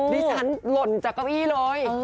ดิฉันหล่นจากเก้าอี้เลย